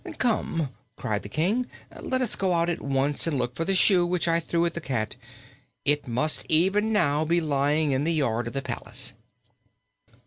"Come!" cried the King; "let us go out at once and look for the shoe which I threw at the cat. It must even now be lying in the yard of the palace."